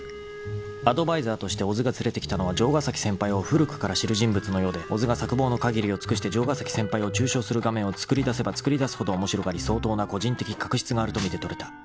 ［アドバイザーとして小津が連れてきたのは城ヶ崎先輩を古くから知る人物のようで小津が策謀の限りを尽くして城ヶ崎先輩を中傷する画面を作り出せば作り出すほど面白がり相当な個人的確執があると見て取れた］